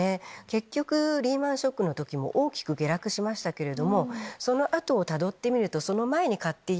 結局リーマンショックの時も大きく下落しましたけれどもその後をたどってみるとその前に買っていた人。